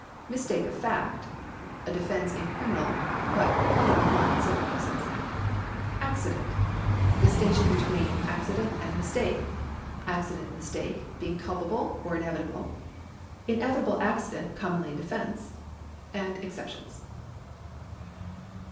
Mistake of fact. A defence in criminal but commonly not in civil cases. Accident. Distinction between accident and mistake. Accident and mistake ^.,, i l^lnevitable. Inevitable accident commonly a defence. Exceptions.